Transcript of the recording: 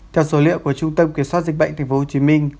theo số liệu của trung tâm kiểm soát dịch bệnh tp hcm